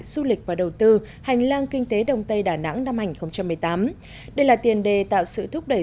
du lịch và đầu tư hành lang kinh tế đồng tây đà nẵng năm hành một mươi tám đây là tiền đề tạo sự thúc đẩy